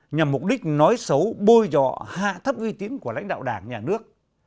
nhằm mục đích nói xấu bôi dọ hạ thấp uy tín của lãnh đạo đảng nhà nước